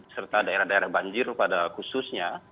serta daerah daerah banjir pada khususnya